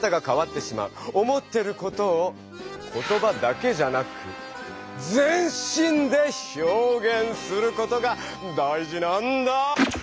思ってることを言葉だけじゃなく全身で表現することが大事なんだ！